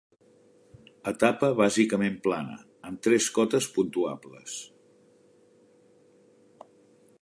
Etapa bàsicament plana, amb tres cotes puntuables.